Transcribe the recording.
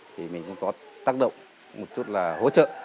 thì mình cũng có tác động một chút là hỗ trợ